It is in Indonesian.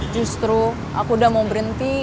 justru aku udah mau berhenti